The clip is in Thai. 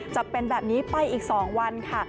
จะเป็นแบบนี้ไปอีก๒วันค่ะ